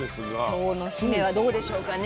今日の姫はどうでしょうかね。